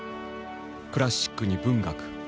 クラシックに文学。